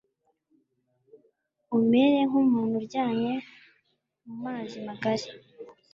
umere nk'umuntu uryamye mu mazi magari